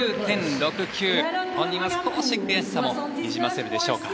本人は少し悔しさもにじませるでしょうか。